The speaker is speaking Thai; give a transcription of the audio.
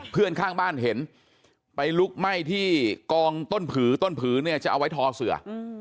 เพื่อนบ้านข้างบ้านเห็นไปลุกไหม้ที่กองต้นผือต้นผืนเนี่ยจะเอาไว้ทอเสือ